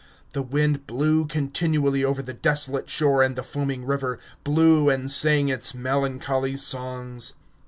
The wind blew continually over the desolate shore and the foaming river blew and sang its melancholy songs...